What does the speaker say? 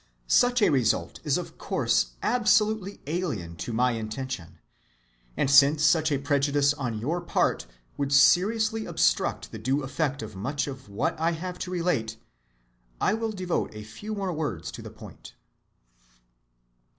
Such a result is of course absolutely alien to my intention; and since such a prejudice on your part would seriously obstruct the due effect of much of what I have to relate, I will devote a few more words to the point.